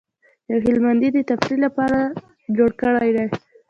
یو هلمندي د تفریح لپاره جوړ کړی دی.